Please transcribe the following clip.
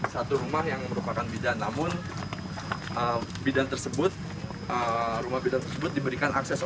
satu rumah yang merupakan bidan namun bidan tersebut rumah bidan tersebut diberikan akses